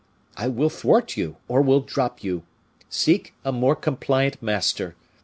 I will thwart you or will drop you seek a more compliant master.